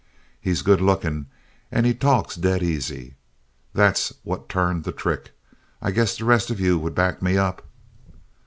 He's good looking and he talks dead easy. That's what's turned the trick. I guess the rest of you would back me up?"